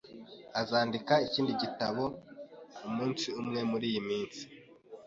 Azandika ikindi gitabo umunsi umwe muriyi minsi.